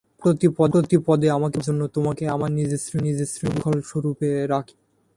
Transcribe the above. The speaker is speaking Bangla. প্রতিপদে আমাকে বাধা দিবার জন্য, তােমাকে আমার নিজের শৃঙ্খলস্বরূপে রাখি নাই।